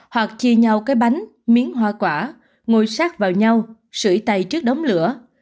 hoặc chia nhau cái bánh miếng hoa quả ngồi sát vào nhau sử tay trước đóng lửa